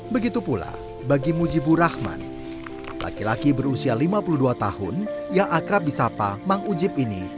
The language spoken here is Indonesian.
begitu pula bagi mujibur rahman laki laki berusia lima puluh dua tahun yang akrab di sapa mang ujib ini